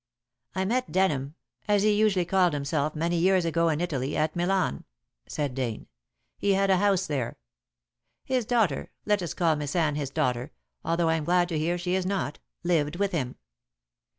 "I met Denham as he usually called himself many years ago in Italy at Milan," said Dane; "he had a house there. His daughter let us call Miss Anne his daughter, although I am glad to hear she is not lived with him.